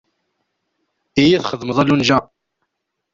Iyi txedmeḍ a Lunǧa.